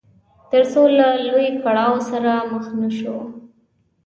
تر څو له لوی کړاو سره مخ نه شو.